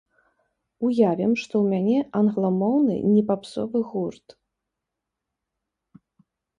Уявім, што ў мяне англамоўны не папсовы гурт.